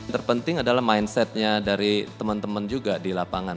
terpenting adalah mindsetnya dari teman teman juga di lapangan